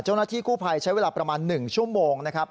เจ้าหน้าที่กู้ภัยใช้เวลาประมาณ๑ชั่วโมงนะครับ